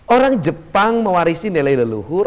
orang jepang mewarisi nilai leluhur